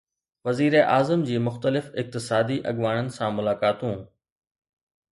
وزيراعظم جي مختلف اقتصادي اڳواڻن سان ملاقاتون